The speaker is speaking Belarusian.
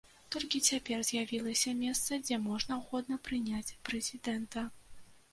Толькі цяпер з'явілася месца, дзе можна годна прыняць прэзідэнта.